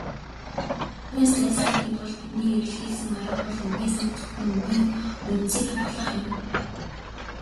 Үүнээс зайлсхийхийн тулд бидний эрэлхийлсэн арга бол үгийн санд зөвхөн "үгийн үндсийг хадгалах" юм.